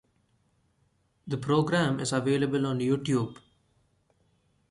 The programme is available on YouTube.